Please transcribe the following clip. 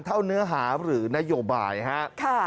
เท่าเนื้อหาหรือนโยบายฮะ